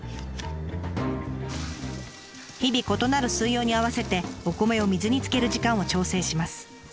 日々異なる水温に合わせてお米を水につける時間を調整します。